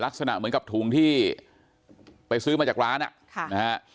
ลักษณะเหมือนกับถุงที่ไปซื้อมาจากร้านอ่ะค่ะนะฮะ